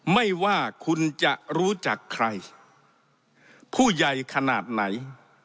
ไม่ว่าคุณจะรู้จักใครผู้ใหญ่ขนาดไหน